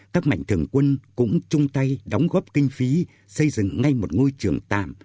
các mạnh thường quân cũng chung tay đóng góp kinh phí xây dựng ngay một ngôi trường tạm